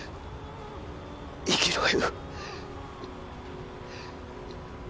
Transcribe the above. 生きろよ